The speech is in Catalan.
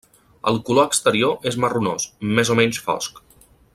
El color exterior és marronós, més o menys fosc.